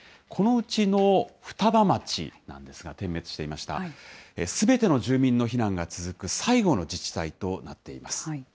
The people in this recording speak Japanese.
このうちの双葉町なんですが、点滅していました、すべての住民の避難が続く最後の自治体となっています。